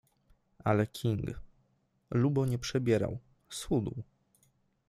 Ale King, lubo nie przebierał — schudł.